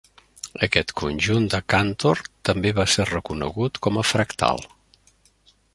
Aquest conjunt de Cantor també va ser reconegut com a fractal.